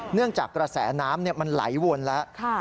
เนื่องจากกระแสน้ำมันไหลวนแล้ว